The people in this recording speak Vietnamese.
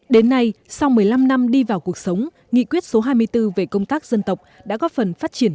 đến nay sau một mươi năm năm đi vào cuộc sống nghị quyết số hai mươi bốn về công tác dân tộc đã góp phần phát triển